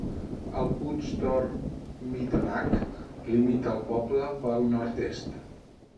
El puig Torr Meadhonach limita el poble al nord-est.